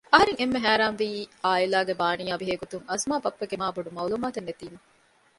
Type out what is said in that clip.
އަހަރެން އެންމެ ހައިރާންވީ އާއިލާގެ ބާނީއާ ބެހޭ ގޮތުން އަޒުމާ ބައްޕަގެ މާބޮޑު މައުލޫމާތެއް ނެތީމަ